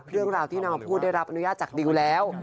เรื่องราวที่นำมาพูดได้รับอนุญาตจากดิวแล้ว